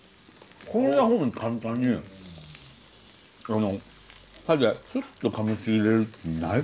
こんなふうに簡単に歯でスッとかみちぎれるってないから。